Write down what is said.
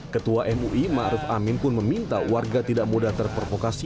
ketua mui ma'ruf amin pun meminta warga tidak mudah terprovokasi